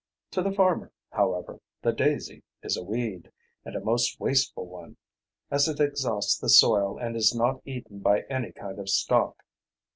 To the farmer, however, the daisy is a weed, and a most wasteful one, as it exhausts the soil and is not eaten by any kind of stock.